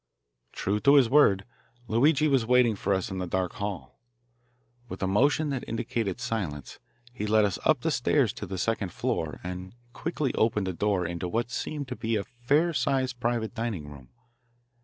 True to his word, Luigi was waiting for us in the dark hall. With a motion that indicated silence, he led us up the stairs to the second floor, and quickly opened a door into what seemed to be a fair sized private dining room.